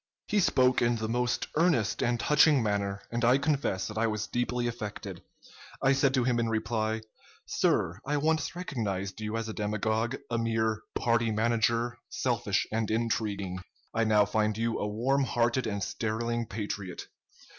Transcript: "He spoke in the most earnest and touching manner, and I confess that I was deeply affected. I said to him in reply: 'Sir, I once recognized you as a demagogue, a mere party manager, selfish and intriguing. I now find you a warm hearted and sterling patriot.